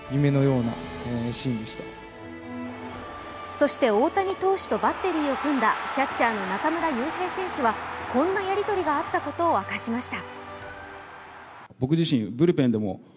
そして大谷投手とバッテリーを組んだキャッチャーの中村悠平選手はこんなやり取りがあったことを明かしました。